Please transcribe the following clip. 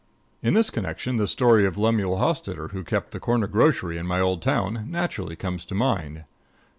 _"] In this connection, the story of Lemuel Hostitter, who kept the corner grocery in my old town, naturally comes to mind.